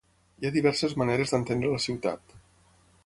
Hi ha diverses maneres d'entendre la ciutat.